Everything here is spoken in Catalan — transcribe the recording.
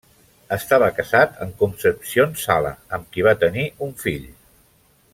Estava casat amb Concepción Sala, amb qui va tenir un fill.